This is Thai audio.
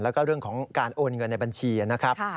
แล้วก็เรื่องของการโอนเงินในบัญชีนะครับ